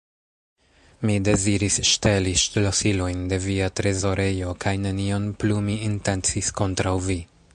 Mi deziris ŝteli ŝlosilojn de via trezorejo kaj nenion plu mi intencis kontraŭ vi!